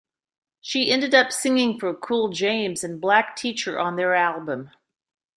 She ended up singing for Cool James and Black Teacher on their album.